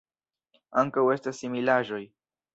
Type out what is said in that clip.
Ankaŭ estas similaĵoj.